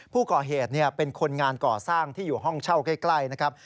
ผู้ก่อเหตุเป็นคนงานก่อสร้างที่อยู่ห้องเช่าใกล้นะครับ